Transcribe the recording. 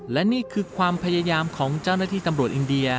และนี่คือความพยายามของเจ้าหน้าที่ตำรวจอินเดีย